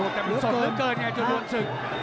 สดเหลือเกินแหละจังหวัดศักดิ์